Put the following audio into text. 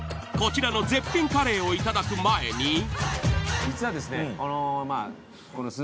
こちらの絶品カレーをいただく前に。